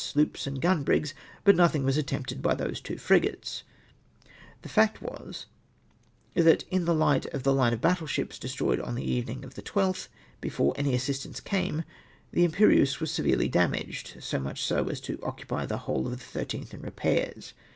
sloops and gun brigs, but nothing ^vas attempted l)y th(.)se two frigates." (Jlinutes, p. 129.) The fact was, that in the light with the line oi battle ships destroyed on the evening of the 12tli, before any assistance came, the Iniperieuse was severely damaged, so much so, as to occupy the whole of the loth in repairs.